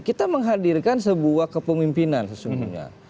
kita menghadirkan sebuah kepemimpinan sesungguhnya